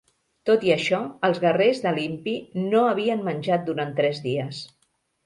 Tot i això, els guerrers de l'impi no havien menjat durant tres dies.